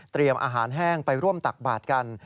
เตรียมอาหารแห้งไปร่วมตักบาดกัน